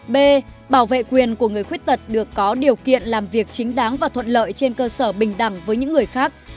b bảo vệ quyền của người khuyết tật được có điều kiện làm việc chính đáng và thuận lợi trên cơ sở bình đẳng với những người khác